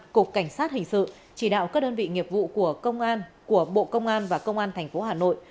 cục cảnh sát hình sự chỉ đạo các đơn vị nghiệp vụ của bộ công an và công an thành phố hà nội